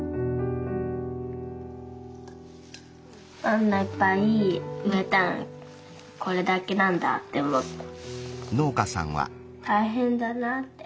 あんないっぱい植えたのにこれだけなんだって思った。